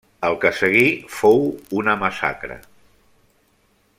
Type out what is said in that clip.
El que seguí fou una massacre.